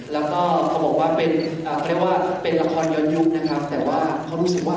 แล้วก็เขาบอกว่าเป็นเขาเรียกว่าเป็นละครย้อนยุคนะครับแต่ว่าเขารู้สึกว่า